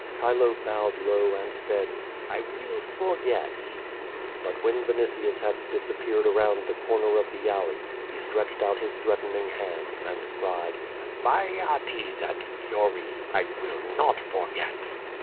Chilo bowed low and said: ''I will forget." But when Vinitius had disappeared around the corner of the alley, he stretched out his threatening hands and cried: "By Ates and Furies! I will not forget!"